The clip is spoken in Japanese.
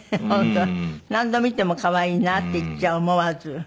何度見ても可愛いなって言っちゃう思わず。